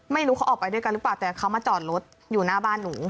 ไม่รู้เขาออกไปด้วยกันหรือเปล่าแต่เขามาจอดรถอยู่หน้าบ้านหนู